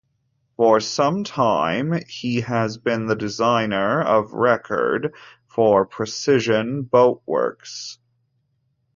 For some time he has been the designer of record for Precision Boatworks.